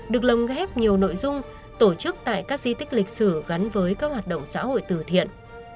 được lồng ghép nhiều nội dung tổ chức tại các di tích lịch sử gắn với các hoạt động xã hội từ thiện